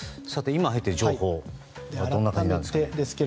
今、入っている情報はどんな感じでしょうか。